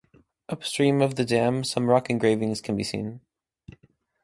Upstream of the dam some rock engravings can be seen.